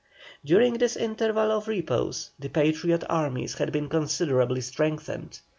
During this interval of repose the Patriot armies had been considerably strengthened.